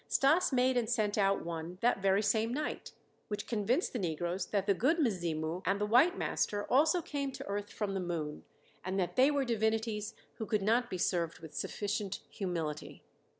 Stas made and sent out one that very same night, which convinced the negroes that the "Good Mzimu" and the white master also came to earth from the moon, and that they were divinities who could not be served with sufficient humility.